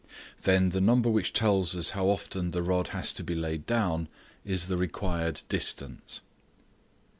Then the number which tells us how often the rod has to be laid down is the required distance.